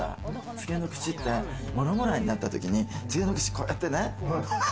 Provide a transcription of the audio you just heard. ツゲのくしって、ものもらいになったときにツゲのくし、こうやってね。